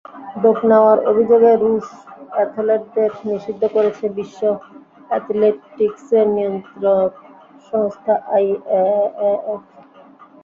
Dope নেওয়ার অভিযোগে রুশ অ্যাথলেটদের নিষিদ্ধ করেছে বিশ্ব অ্যাথলেটিকসের নিয়ন্ত্রক সংস্থা আইএএএফ।